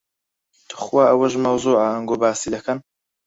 توخوا ئەوەش مەوزوعە ئەنگۆ باسی دەکەن.